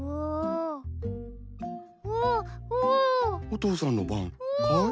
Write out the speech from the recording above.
お父さんの番かい？